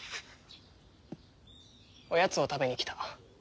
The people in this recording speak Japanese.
おやつを食べに来た。